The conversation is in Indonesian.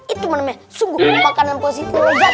itu namanya sungguh makanan positif rehat